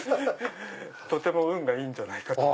とても運がいいんじゃないかと。